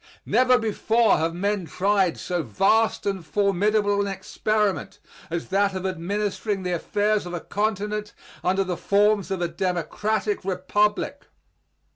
Never before have men tried so vast and formidable an experiment as that of administering the affairs of a continent under the forms of a democratic republic.